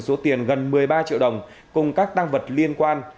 số tiền gần một mươi ba triệu đồng cùng các tăng vật liên quan